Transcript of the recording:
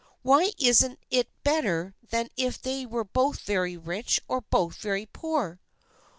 Why isn't it better than if they were both very rich or both very poor?